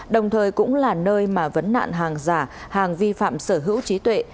đồng thời cũng là nơi mà vấn nạn hàng giả hàng vi phạm sở hữu trí tuệ